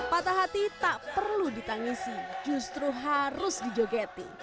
patah hati tak perlu ditangisi justru harus dijogeti